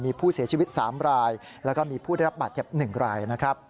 มีผู้เสียชีวิต๓รายและก็มีผู้ได้รับบาดเฉียบ๑ราย